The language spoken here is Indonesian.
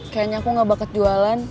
kayaknya aku gak bakal jualan